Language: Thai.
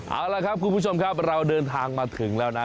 เอาละครับคุณผู้ชมครับเราเดินทางมาถึงแล้วนะ